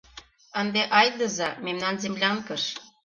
— Ынде айдыза мемнан землянкыш.